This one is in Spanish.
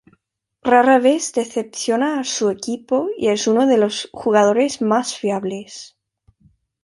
Rara vez decepciona a su equipo y es uno de los jugadores más fiables.